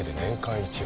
１億